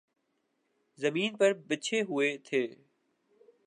زمین پر بچھے ہوئے تھے۔